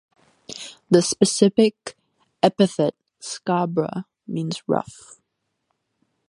The specific epithet ("scabra") means "rough".